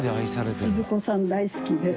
「鈴子さん大好きです」